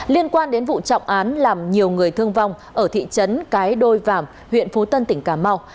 liên quan đến vụ trọng án làm nhiều người thương vong ở thị trấn cái đôi vàm huyện phú tân tỉnh cà mau